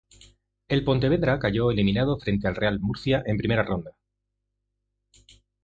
El Pontevedra cayó eliminado frente al Real Murcia en primera ronda.